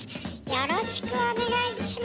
よろしくお願いします。